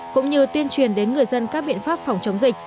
cũng như tuyên truyền đến người dân các biện pháp phòng chống dịch